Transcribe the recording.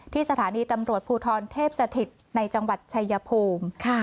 สถานีตำรวจภูทรเทพสถิตในจังหวัดชายภูมิ